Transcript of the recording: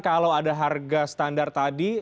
kalau ada harga standar tadi